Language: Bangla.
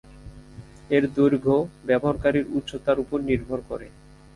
এর দৈর্ঘ্য ব্যবহারকারীর উচ্চতার উপর নির্ভর করে।